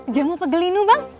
jamu pegelinu bang